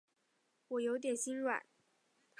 我有点心软